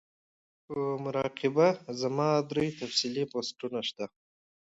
پۀ مراقبه زما درې تفصيلی پوسټونه شته